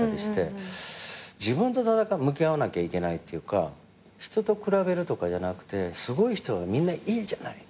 自分と向き合わなきゃいけないっていうか人と比べるとかじゃなくてすごい人はみんないいじゃない！